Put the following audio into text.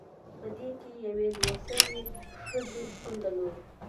پدې کې یوې دوه سرې ښځې شتون درلود